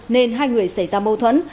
nên hai người xảy ra mâu thuẫn